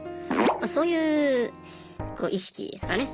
そういう意識ですかね。